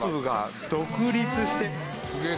すげえ。